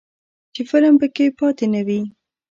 چې فلم پکې پاتې نه وي.